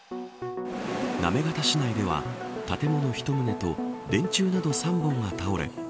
行方市内では建物１棟と電柱など３本が倒れ